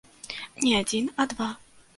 Не адзін, а два.